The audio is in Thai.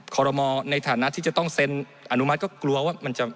ปรมอในฐานะที่จะต้องเซ็นอนุมัติก็กลัวว่า